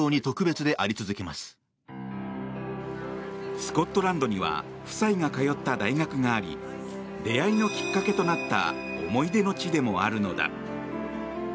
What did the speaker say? スコットランドには夫妻が通った大学があり出会いのきっかけとなった思い出の地でもあるのだ。